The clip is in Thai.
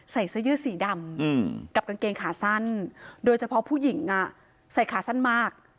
ใส่เสื้อยืดสีดำกับกางเกงขาสั้นโดยเฉพาะผู้หญิงใส่ขาสั้นมาก